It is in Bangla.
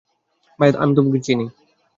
ভাইয়া, আমি তাকে চিনি।